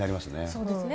そうですよね。